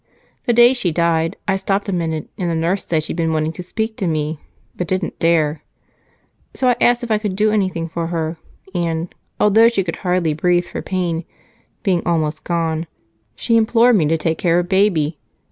The day she died I stopped a minute, and the nurse said she'd been wanting to speak to me but didn't dare. So I asked if I could do anything for her and, though she could hardly breathe for pain being almost gone she implored me to take care of baby.